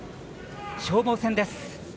消耗戦です。